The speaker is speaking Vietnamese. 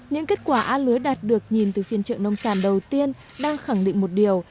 những kết quả a lưới đạt được nhìn từ phiên trợ nông sản đầu tiên đang khẳng định một điều